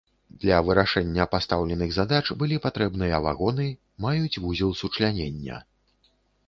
Для вырашэння пастаўленых задач былі патрэбныя вагоны маюць вузел сучлянення.